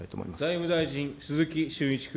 財務大臣、鈴木俊一君。